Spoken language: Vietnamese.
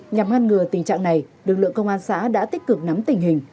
nhằm ngăn ngừa tình trạng này lực lượng công an xã đã tích cực nắm tình hình